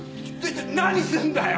何すんだよ！